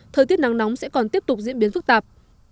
thời tiết nắng nóng sẽ còn tiếp tục diễn biến phức tạp